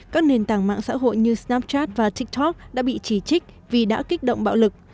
các nền tảng mạng xã hội như snapchat và tiktok đã bị chỉ trích vì đã kích động bạo lực